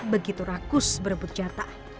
begitu rakus berebut jalan